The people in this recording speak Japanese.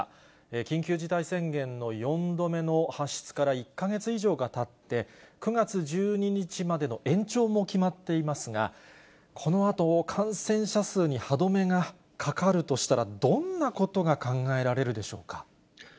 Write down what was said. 緊急事態宣言の４度目の発出から１か月以上がたって、９月１２日までの延長も決まっていますが、このあと、感染者数に歯止めがかかるとしたら、どんなことが考えられるでしょうか。